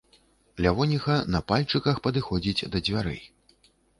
Лявоніха на пальчыках падыходзіць да дзвярэй.